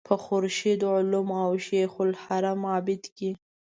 په خورشید علوم او شیخ الحرم عابد کې.